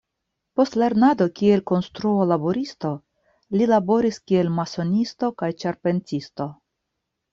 Post lernado kiel konstruo-laboristo, li laboris kiel masonisto kaj ĉarpentisto.